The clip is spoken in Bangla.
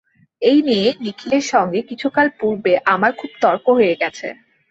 এই নিয়ে নিখিলের সঙ্গে কিছুকাল পূর্বে আমার খুব তর্ক হয়ে গেছে।